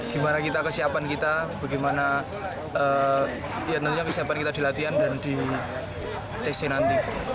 gimana kita kesiapan kita bagaimana ya tentunya kesiapan kita di latihan dan di tc nanti